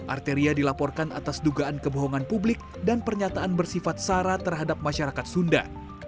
arteria dilaporkan atas dugaan kebohongan publik dan pernyataan bersifat sara terhadap masyarakat sunda